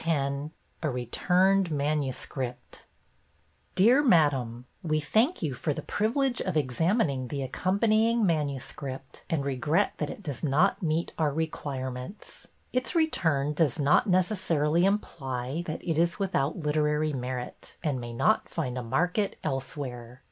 X A RETURNED MANUSCRIPT D ear madam, — We thank you for the privilege of examining the accompanying manuscript, and regret that it does not meet our requirements. Its return does not necessarily imply that it is without literary merit and may not find a market elsewhere.